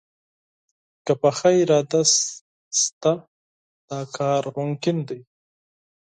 که پخه اراده شته وي، دا کار ممکن دی